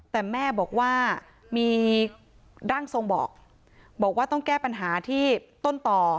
แต่แม่บอกว่ามีร่างทรงบอกบอกว่าต้องแก้ปัญหาที่ต้นต่อ